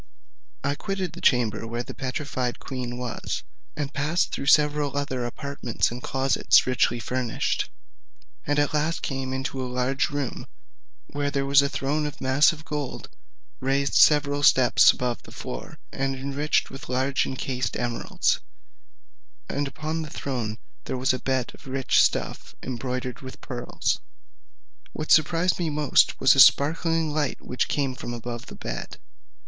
I quitted the chamber where the petrified queen was, and passed through several other apartments and closets richly furnished, and at last came into a large room, where there was a throne of massive gold, raised several steps above the floor, and enriched with large enchased emeralds, and upon the throne there was a bed of rich stuff embroidered with pearls. What surprised me most was a sparkling light which came from above the bed.